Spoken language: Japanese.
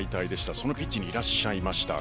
そのピッチにいらっしゃいました。